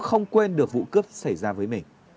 không quên được vụ cướp xảy ra với mình